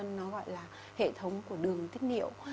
nó gọi là hệ thống của đường tiết niệu